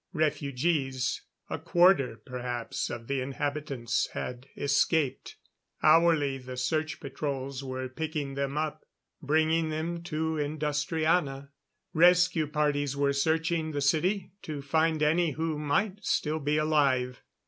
Refugees a quarter perhaps of the inhabitants had escaped; hourly the search patrols were picking them up, bringing them to Industriana. Rescue parties were searching the city, to find any who might still be alive.